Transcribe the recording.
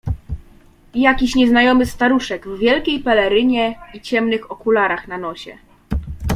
Jakiś nieznajomy staruszek w wielkiej pelerynie i ciemnych okularach na nosie.